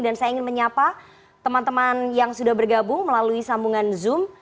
dan saya ingin menyapa teman teman yang sudah bergabung melalui sambungan zoom